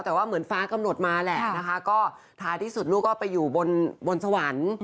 แต่ว่าเหมือนฟ้ากำหนดมาแหละนะคะก็ท้ายที่สุดลูกก็ไปอยู่บนสวรรค์